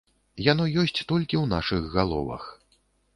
Яно ёсць толькі ў нашых галовах.